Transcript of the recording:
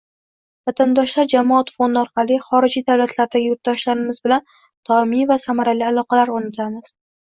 “Vatandoshlar” jamoat fondi orqali xorijiy davlatlardagi yurtdoshlarimiz bilan doimiy va samarali aloqalar o‘rnatamiz.